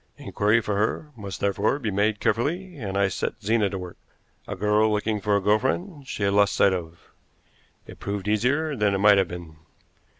Inquiry for her must therefore be made carefully, and I set Zena to work a girl looking for a girl friend she had lost sight of. It proved easier than it might have been.